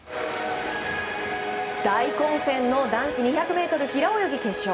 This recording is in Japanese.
大混戦の男子２００ｍ平泳ぎ決勝。